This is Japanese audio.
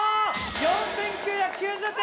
４９９０点！